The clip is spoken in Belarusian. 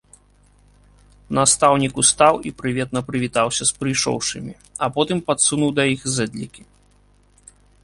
Настаўнік устаў і прыветна прывітаўся з прыйшоўшымі, а потым падсунуў да іх зэдлікі.